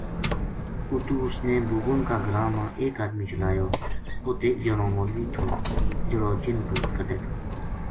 اُتو اس نے بُوبن کا گراں ما ایک ادمی چلایو اُت ایک جنو مولوی تھو جہڑو جِن بھُوت کُڈھے تھو